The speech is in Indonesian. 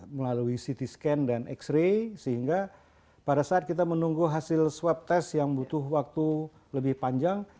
melalui ct scan dan x ray sehingga pada saat kita menunggu hasil swab test yang butuh waktu lebih panjang